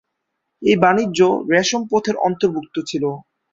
এই বাণিজ্য রেশম পথের অন্তর্ভুক্ত ছিল।